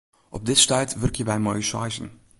Op dit stuit wurkje wy mei ús seizen.